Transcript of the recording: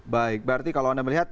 baik berarti kalau anda melihat